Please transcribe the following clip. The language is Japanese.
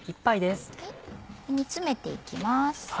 煮詰めていきます。